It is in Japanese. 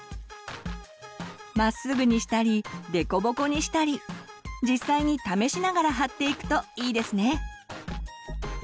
まっすぐにしたりデコボコにしたり実際に試しながら貼っていくといいですね。